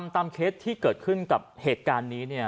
ตามเคสที่เกิดขึ้นกับเหตุการณ์นี้